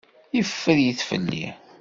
Yeffer-it fell-i.